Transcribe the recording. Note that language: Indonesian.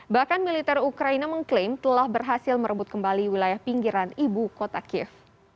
bahkan militer ukraina mengklaim telah berhasil merebut kembali wilayah pinggiran ibu kota kiev